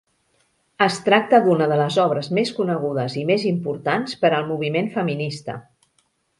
Es tracta d'una de les obres més conegudes i més importants per al moviment feminista.